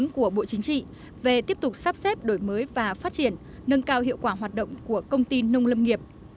của bộ chính trị về tiếp tục sắp xếp đổi mới và phát triển nâng cao hiệu quả hoạt động của công ty nông lâm nghiệp